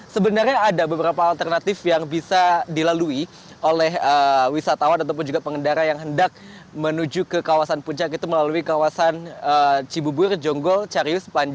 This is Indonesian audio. sebenarnya ada beberapa alternatif yang bisa dilalui oleh wisatawan ataupun juga pengendara yang hendak menuju ke kawasan puncak itu melalui kawasan cibubur jonggol carius